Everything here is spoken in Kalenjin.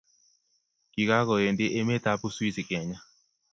Kigagowendi emetab uswizi keny